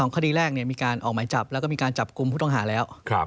คดีแรกมีการออกหมายจับแล้วก็มีการจับกลุ่มผู้ต้องหาแล้ว